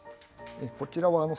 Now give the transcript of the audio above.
こちらは？